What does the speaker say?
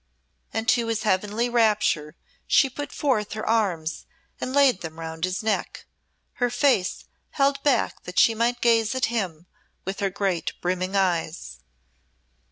And to his heavenly rapture she put forth her arms and laid them round his neck, her face held back that she might gaze at him with her great brimming eyes.